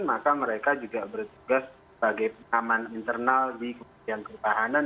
maka mereka juga bertugas sebagai pengaman internal di kementerian pertahanan